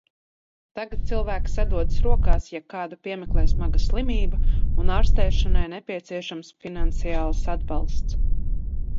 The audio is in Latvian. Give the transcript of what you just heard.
Tagad cilvēki sadodas rokās, ja kādu piemeklē smaga slimība un ārstēšanai nepieciešams finansiāls atbalsts.